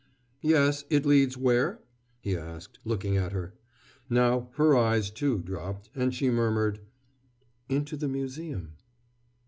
"Yes, it leads where?" he asked, looking at her. Now, her eyes, too, dropped, and she murmured: "Into the museum."